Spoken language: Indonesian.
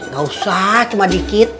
gak usah cuma dikit